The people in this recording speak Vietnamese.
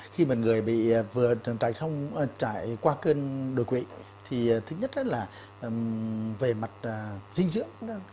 khi một người vừa trải qua cơn đột quỵ thì thứ nhất là về mặt dinh dưỡng